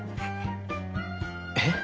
えっ？